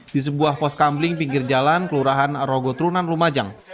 di sebuah pos kambling pinggir jalan kelurahan rogotrunan lumajang